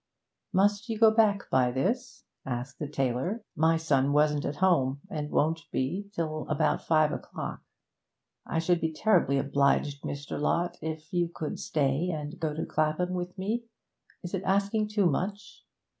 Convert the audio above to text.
'Must you go back by this?' asked the tailor. 'My son wasn't at home, and won't be till about five o'clock. I should be terribly obliged, Mr. Lott, if you could stay and go to Clapham with me. Is it asking too much?'